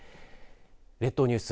列島ニュース